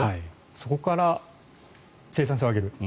そこから生産性を上げる。